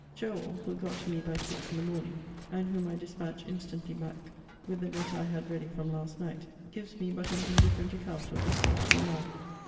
Joel, who got to me by six in the morning, and whom I dispatched instantly back with the letter I had ready from last night, gives me but an indifferent account of the state of your mind.